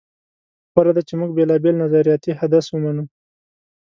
غوره ده چې موږ بېلابېل نظریاتي حدس ومنو.